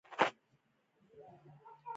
بې قید او شرطه ملاتړ و.